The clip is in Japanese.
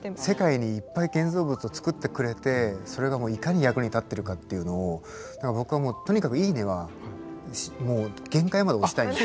世界にいっぱい建造物をつくってくれてそれがもういかに役に立ってるかっていうのを僕はもうとにかく「いいね」はもう限界まで押したいんですよ。